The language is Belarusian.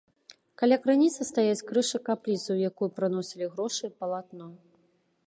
Каля крыніцы стаяць крыж і капліца, у якую прыносілі грошы і палатно.